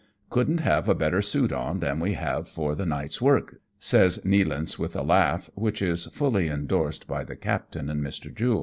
" Couldn't have a better suit on than we have for the night's work," says Nealance with a laugh, which is fully endorsed by the captain and Mr. Jule.